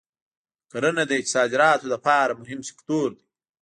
کرنه د صادراتو لپاره مهم سکتور دی.